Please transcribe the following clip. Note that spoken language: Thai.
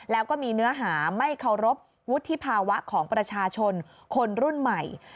แล้วก็มีเนื้อหาไม่เคารพวุฒิภาวะของประชาชนคนรุ่นใหม่